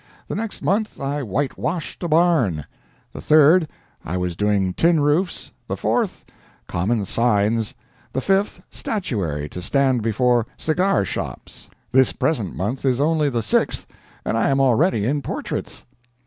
The next month I white washed a barn. The third, I was doing tin roofs; the forth, common signs; the fifth, statuary to stand before cigar shops. This present month is only the sixth, and I am already in portraits!